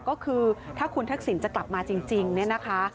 ก็คือถ้าคุณทักษิณจะกลับมาจริงเนี่ยนะคะ